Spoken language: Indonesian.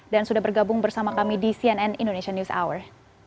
dan sudah bergabung bersama kami di cnn indonesian news hour